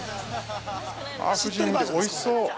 ◆夫人、おいしそう。